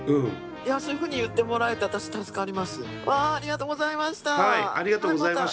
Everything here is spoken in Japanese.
いやそういうふうに言ってもらえて私助かります。